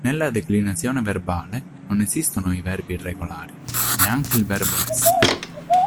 Nella declinazione verbale non esistono verbi irregolari; neanche il verbo essere.